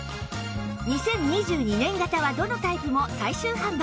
２０２２年型はどのタイプも最終販売